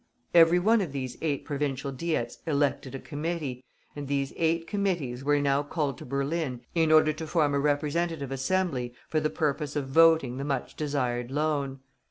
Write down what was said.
Every one of these eight Provincial Diets elected a Committee, and these eight Committees were now called to Berlin in order to form a Representative Assembly for the purpose of voting the much desired loan.